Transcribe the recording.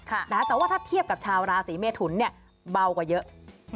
แต่ว่าถ้าเทียบกับชาวราศีเมทุนเนี่ยเบากว่าเยอะ